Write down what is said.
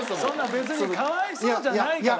別にかわいそうじゃないから。